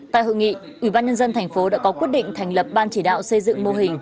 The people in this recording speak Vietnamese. tại hội nghị ủy ban nhân dân thành phố đã có quyết định thành lập ban chỉ đạo xây dựng mô hình